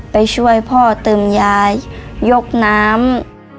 ไปช่วยพ่อเติมยายยกน้ำ